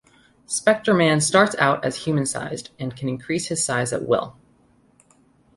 Spectreman starts out as human-sized, and can increase his size at will.